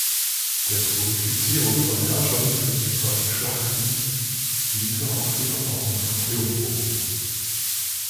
Der Glorifizierung von Herrschern für siegreiche Schlachten diente auch die Erbauung von Triumphbogen.